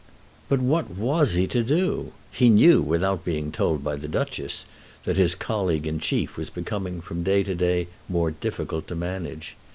But what was he to do? He knew, without being told by the Duchess, that his colleague and chief was becoming, from day to day, more difficult to manage.